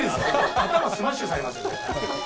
頭スマッシュされますよ。